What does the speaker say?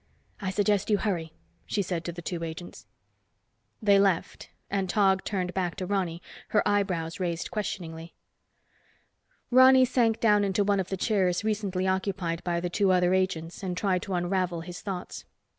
"I suggest you hurry," she said to the two agents. They left, and Tog turned back to Ronny, her eyebrows raised questioningly. Ronny sank down into one of the chairs recently occupied by the other two agents and tried to unravel thoughts.